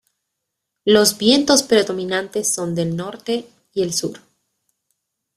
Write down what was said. Los vientos predominantes son del norte y el sur.